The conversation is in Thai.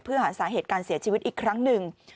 เพื่อหาสาเหตุการเสียชีวิตอีกครั้งหนึ่ง